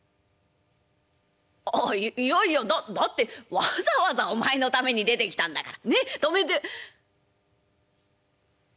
「ああいやいやだってわざわざお前のために出てきたんだからねっ泊めて。